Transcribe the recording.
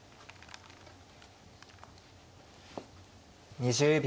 ２０秒。